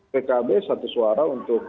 pkb satu suara untuk